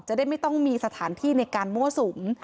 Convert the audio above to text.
จะได้ไม่ต้องมีสถานที่ในการมั่วสุม